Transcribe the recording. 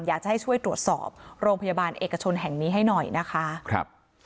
อยากจะให้ช่วยตรวจสอบโรงพยาบาลเอกชนแห่งนี้ให้หน่อยนะคะครับ